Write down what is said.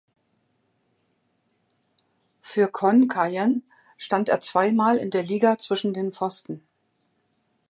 Für Khon Kaen stand er zweimal in der Liga zwischen den Pfosten.